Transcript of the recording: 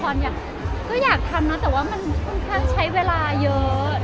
คนละครก็อยากทำเนอะแต่ว่ามันค่อนข้างใช้เวลาเยอะ